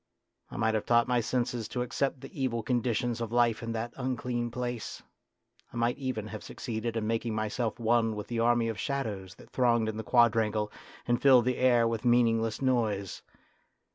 I might have taught my senses to accept the evil conditions of life in that unclean place ; I might even have succeeded in making myself one with the army of shadows that thronged in the quadrangle and filled the air with meaningless noise.